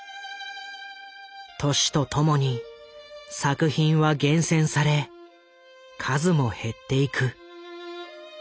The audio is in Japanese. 年とともに作品は厳選され数も減っていく。